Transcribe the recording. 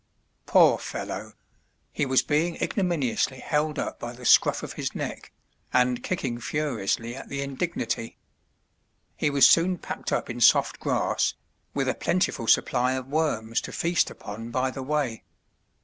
Poor fellow! he was being ignominiously held up by the scruff of his neck, and kicking furiously at the indignity. He was soon packed up in soft grass, with a plentiful supply of worms to feast upon by the way.